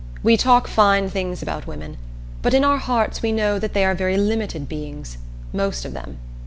We talk fine things about women, but in our hearts we know that they are very limited beings most of them.